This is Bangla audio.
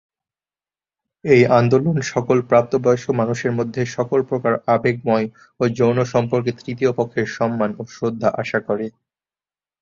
এই আন্দোলন সকল প্রাপ্ত বয়স্ক মানুষের মধ্যে সকল প্রকার আবেগময় ও যৌন সম্পর্কে তৃতীয় পক্ষের সম্মান ও শ্রদ্ধা আশা করে।